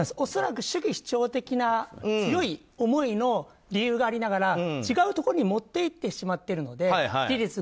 恐らく主義主張的な強い思いの理由がありながら違うところにもっていってしまっているので事実